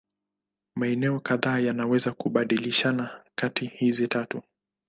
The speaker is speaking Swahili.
Maeneo kadhaa yanaweza kubadilishana kati hizi tatu.